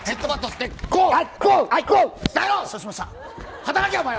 働け、お前は！